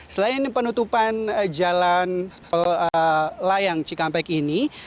selain penutupan jalan layang cikampek ini